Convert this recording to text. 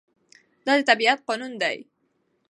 دا د طبيعت قانون دی.